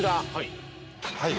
はい。